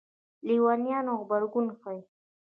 لېونیانو غبرګون ښيي.